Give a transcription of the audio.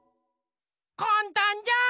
かんたんじゃん。